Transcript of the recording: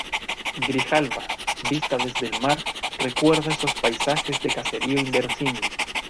Grijalba, vista desde el mar , recuerda esos paisajes de caserío inverosímil